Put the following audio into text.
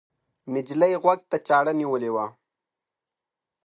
نجلۍ غوږ ته چاړه نیولې وه.